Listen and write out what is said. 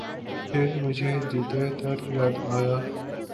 پھر مجھے دیدہٴ تر یاد آیا